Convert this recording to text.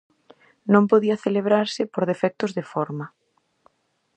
Non podía celebrarse por defectos de forma.